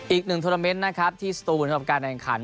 อีกหนึ่งทรวมที่สตูร์บุญการแรงขัน